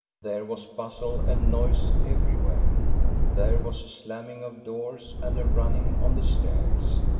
There was V"' MAMSELLE MARIE 243 Vustle and noise everywhere. There was a slamming of doors and a running on the stairs.